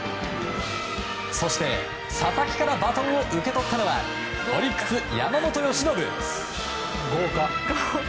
そして佐々木からバトンを受け取ったのはオリックス、山本由伸。